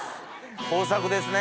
豊作ですね。